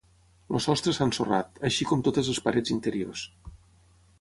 El sostre s'ha ensorrat, així com totes les parets interiors.